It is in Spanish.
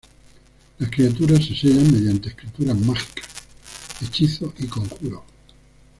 Las criaturas se sellan mediante escrituras mágicas, hechizos y conjuros.